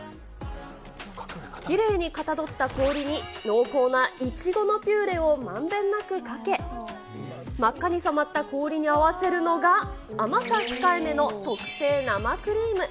きれいにかたどった氷に、濃厚ないちごのピューレをまんべんなくかけ、真っ赤に染まった氷に合わせるのが、甘さ控えめの特製生クリーム。